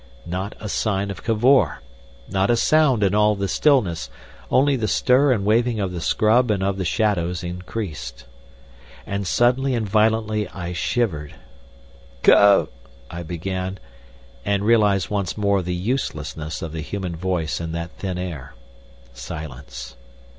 Not a sign of Cavor, not a sound in all the stillness, only the stir and waving of the scrub and of the shadows increased. And suddenly and violently I shivered. "Cav—" I began, and realised once more the uselessness of the human voice in that thin air. Silence.